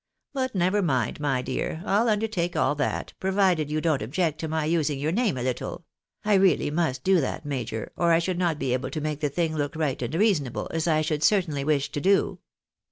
But never mind, my dear, I'll undertake all that, provided you don't object to my using your name a little — I really must do that, major, or I should not be PLENIPOTENT USE OF NAME GRANTED. 150 able to make the thing look right and reasonable, as I should cer tainly wish to do."